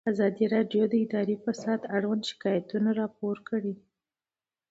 ازادي راډیو د اداري فساد اړوند شکایتونه راپور کړي.